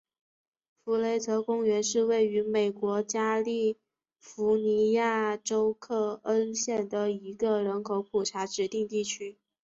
弗雷泽公园是位于美国加利福尼亚州克恩县的一个人口普查指定地区。